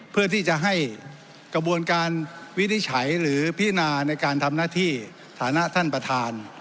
เพื่อที่จะให้กระบวนการวินิจฉัยหรือพินาในการทำหน้าที่ฐานะท่านประธาน